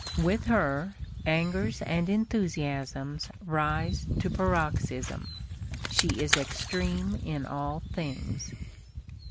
With her, angers and enthusiasms rise to paroxysm. She is extreme in all things.